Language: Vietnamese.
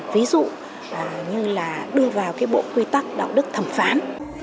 ví dụ như là đưa vào cái bộ quy tắc đạo đức thẩm phán